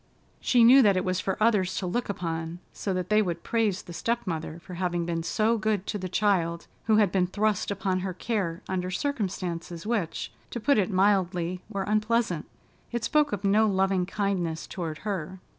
She knew that it was for others to look upon, so that they would praise the step mother for having been so good to the child who had been thrust upon her care under circumstances which, to put it mildly, were unpleasant. It spoke of no loving kindness toward her.